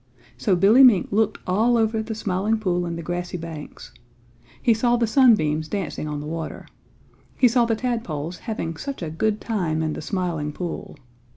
So Billy Mink looked all over the Smiling Pool and the grassy banks. He saw the sunbeams dancing on the water. He saw the tadpoles having such a good time in the Smiling Pool.